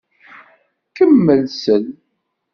Kemmel sel.